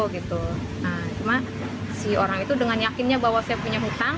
nah cuma si orang itu dengan yakinnya bahwa saya punya hutang